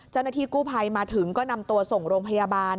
เจ้าหน้าที่กู้ภัยมาถึงก็นำตัวส่งโรงพยาบาล